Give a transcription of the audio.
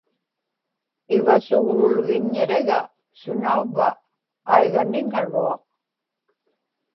ivasugrulgiññiġiga sunauvva aiganiŋaruaq